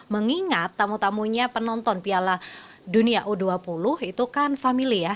mengingat tamu tamunya penonton piala dunia u dua puluh itu kan family ya